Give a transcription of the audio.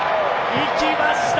いきました。